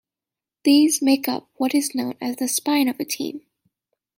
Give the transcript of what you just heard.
These make up what is known as the "spine" of a team.